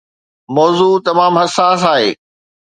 موضوع تمام حساس آهي.